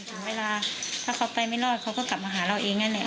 ถึงเวลาถ้าเขาไปไม่รอดเขาก็กลับมาหาเราเองนั่นแหละ